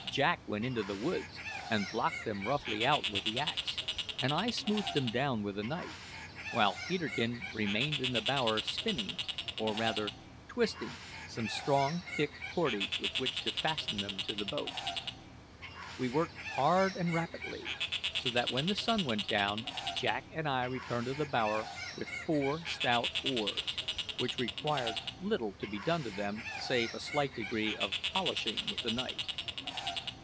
Jack went into the woods and blocked them roughly out with the axe, and I smoothed them down with the knife, while Peterkin remained in the bower spinning, or rather twisting, some strong, thick cordage with which to fasten them to the boat. We worked hard and rapidly, so that when the sun went down Jack and I returned to the bower with four stout oars, which required little to be done to them save a slight degree of polishing with the knife.